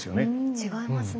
違いますね。